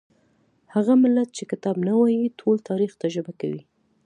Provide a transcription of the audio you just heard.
هغه ملت چې کتاب نه وايي ټول تاریخ تجربه کوي.